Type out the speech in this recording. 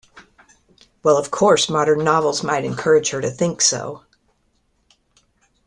Well, of course, modern novels might encourage her to think so.